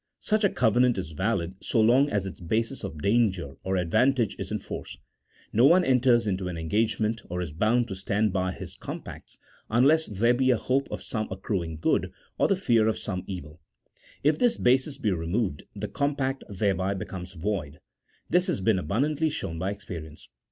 Such a covenant is valid so long as its basis of danger or advantage is in force : no one enters into an engagement, or is bound to stand by his compacts unless there be a hope of some accruing good, or the fear of some evil: if this basis be removed the compact thereby becomes void : this has been abundantly shown by experience.